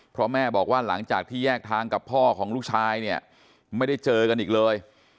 เพราะแม่บอกว่าหลังจากที่แยกทางกับพ่อของลูกชายเนี่ยไม่ได้เจอกันอีกเลย